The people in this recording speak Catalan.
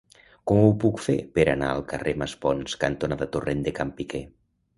Com ho puc fer per anar al carrer Maspons cantonada Torrent de Can Piquer?